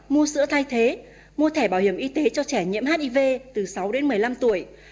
mua sữa thay thế mua thẻ bảo hiểm y tế cho trẻ nhiễm hiv từ sáu đến một mươi năm tuổi